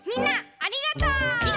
ありがとう！